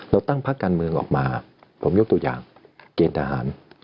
ตั้งพักการเมืองออกมาผมยกตัวอย่างเกณฑ์ทหาร